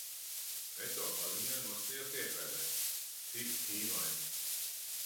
Es to paziņojumu noskatījos tiešraidē. Tik dīvaini.